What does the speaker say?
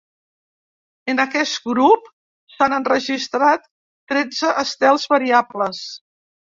En aquest grup s'han enregistrat tretze estels variables.